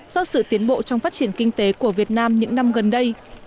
do sự tiến bộ trong phát triển kinh tế của việt nam những năm gần đây